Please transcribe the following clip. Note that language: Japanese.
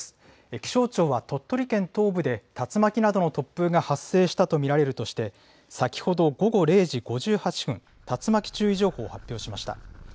気象庁は、鳥取県東部で竜巻などの突風が発生したと見られるとして、先ほど午後０時５８分、竜巻注意情報を発表しました。